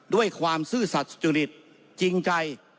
ด้วยความซื่อสัตว์สุจริตจริงใจ